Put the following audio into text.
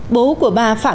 bố của bà phạm phạm